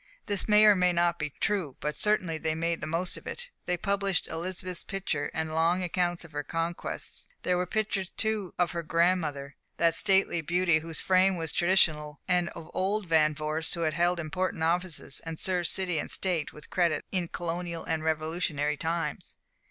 This may or may not be true; but certainly they made the most of it. They published Elizabeth's picture, and long accounts of her conquests. There were pictures, too, of her grandmother, that stately beauty whose fame was traditional, and of old Van Vorsts who had held important offices, and served city and state with credit in colonial and revolutionary times.